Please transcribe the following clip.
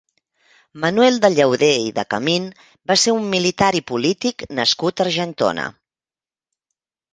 Manuel de Llauder i de Camín va ser un militar i polític nascut a Argentona.